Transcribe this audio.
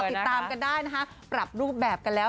ติดตามกันได้นะคะปรับรูปแบบกันแล้ว